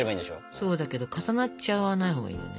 そうだけど重なっちゃわないほうがいいよね。